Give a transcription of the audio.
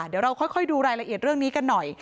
เดี๋ยวเราค่อยดูรายละเอียดเรื่องนี้กันหน่อย